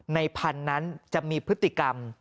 ในพันธุ์นั้นจะมีพฤติกรรม